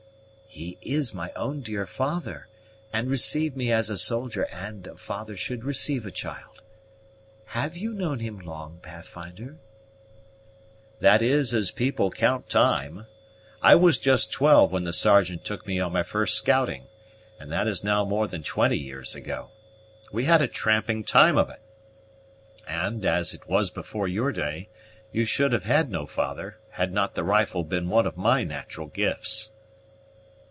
"He is my own dear father, and received me as a soldier and a father should receive a child. Have you known him long, Pathfinder?" "That is as people count time. I was just twelve when the Sergeant took me on my first scouting, and that is now more than twenty years ago. We had a tramping time of it; and, as it was before your day, you would have had no father, had not the rifle been one of my natural gifts."